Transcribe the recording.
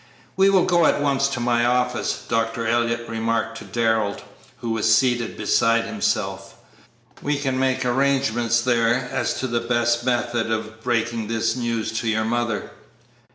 "We will go at once to my office," Dr. Elliott remarked to Darrell, who was seated beside himself; "we can make arrangements there as to the best method of breaking this news to your mother."